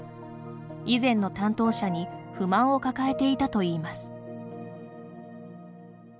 以前の担当者に不満を抱えていたといいます。